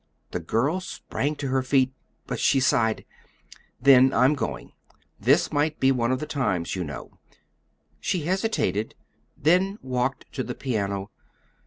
The girl sprang to her feet but she sighed. "Then I'm going. This might be one of the times, you know." She hesitated, then walked to the piano.